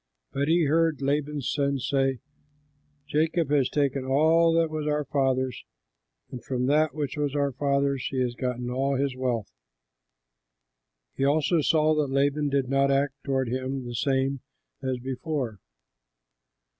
But he heard Laban's sons say, "Jacob has taken all that was our father's, and from that which was our father's he has gotten all this wealth." He also saw that Laban did not act toward him the same as before.